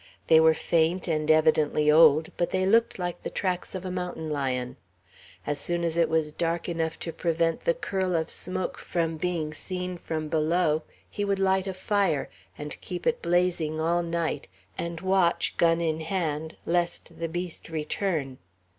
They were faint and evidently old; but they looked like the tracks of a mountain lion. As soon as it was dark enough to prevent the curl of smoke from being seen from below, he would light a fire, and keep it blazing all night, and watch, gun in hand, lest the beast return.